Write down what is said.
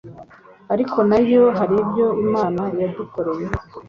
ariko nayo haribyo imana yadukoreye